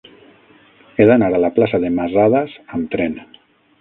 He d'anar a la plaça de Masadas amb tren.